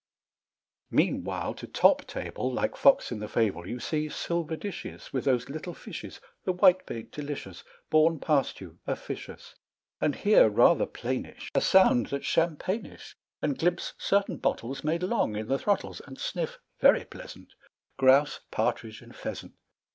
Meanwhile, to top table, Like fox in the fable, You see silver dishes, With those little fishes, The whitebait delicious, Borne past you officious; And hear rather plainish A sound that's champagnish, And glimpse certain bottles Made long in the throttles; And sniff very pleasant! Grouse, partridge, and pheasant.